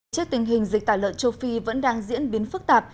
trước tình hình dịch tả lợn châu phi vẫn đang diễn biến phức tạp